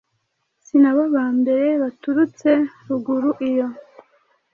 Si na bo ba mbere baturutse ruguru iyo